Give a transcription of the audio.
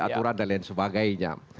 aturan dan lain sebagainya